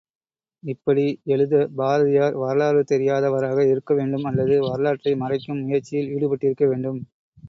இப்படி எழுதப் பாரதியார் வரலாறு தெரியாதவராக இருக்க வேண்டும் அல்லது வரலாற்றை மறைக்கும் முயற்சியில் ஈடுபட்டிருக்க வேண்டும்.